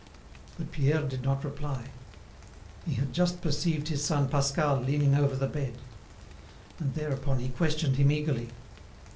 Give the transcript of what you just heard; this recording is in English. But Pierre did not reply. He had just perceived his son Pascal leaning over the bed. And thereupon he questioned him eagerly.